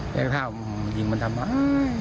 ก็อยากถามยิงมาทำไม